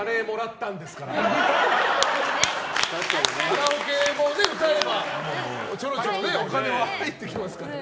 カラオケも歌えばチョロチョロお金入ってきますからね。